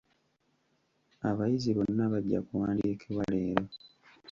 Abayizi bonna bajja kuwandiikibwa leero.